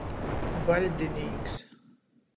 Vaļdinīks.